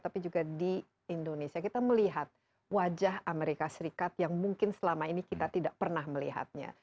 tapi juga di indonesia kita melihat wajah amerika serikat yang mungkin selama ini kita tidak pernah melihatnya